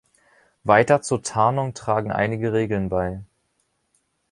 Weiter zur Tarnung tragen einige Regeln bei.